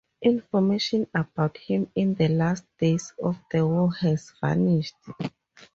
Information about him in the last days of the war has vanished.